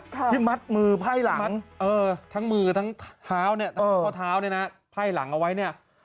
ที่มัดมือไพ่หลังเออทั้งมือทั้งเท้าเนี่ยทั้งข้อเท้าเนี่ยนะไพ่หลังเอาไว้เนี่ย